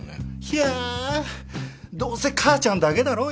ひゃどうせ母ちゃんだけだろ？